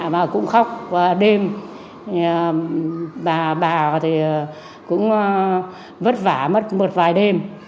và cũng khóc đêm bà thì cũng vất vả mất một vài đêm